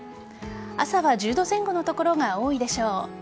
朝は１０度前後の所が多いでしょう。